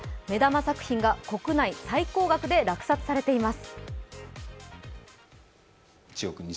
目玉作品が国内最高額で落札されています。